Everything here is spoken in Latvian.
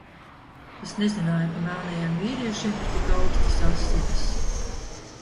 Es nezināju, ka melnajiem vīriešiem ir tik aukstas asinis.